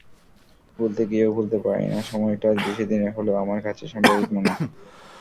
ভুলতে গিয়েও ভুলতে পারিনিসময়টা বেশি দিনের হলেও আমার কাছে সাম্প্রতিক মনে হয়।